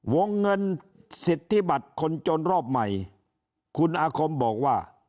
วงเงินสิทธิบัตรคนจนรอบใหม่คุณอาคมบอกว่า